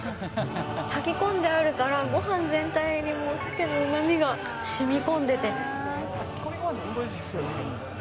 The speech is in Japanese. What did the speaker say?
炊き込んであるから、ごはん全体にもうサケのうまみがしみこんでて。